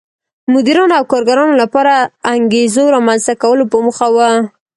مدیرانو او کارګرانو لپاره انګېزو رامنځته کولو په موخه و.